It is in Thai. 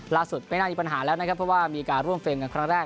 ไม่น่ามีปัญหาแล้วนะครับเพราะว่ามีการร่วมเฟรมกันครั้งแรก